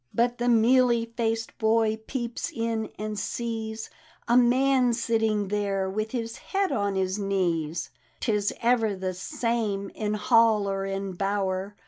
But the mealy faced boy peeps in, and sees A man sitting there with his head on his kneesl Tis ever the same — in hall or in bower.